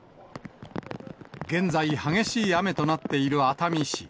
現在、激しい雨となっている熱海市。